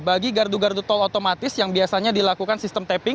bagi gardu gardu tol otomatis yang biasanya dilakukan sistem tapping